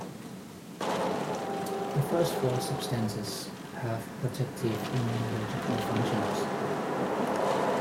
The first four substances have protective immunological functions.